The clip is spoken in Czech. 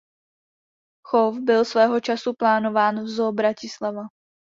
Chov byl svého času plánován v Zoo Bratislava.